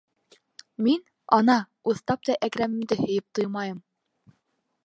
Мин, ана, уҫлаптай Әкрәмемде һөйөп туймайым.